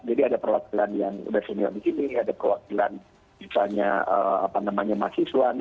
jadi ada perwakilan yang udah senior disini ada kewakilan misalnya apa namanya mahasiswa